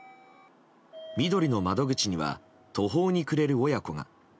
みどりの窓口には途方に暮れる親子が。